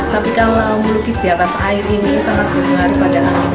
tapi kalau melukis di atas air ini sangat menular pada air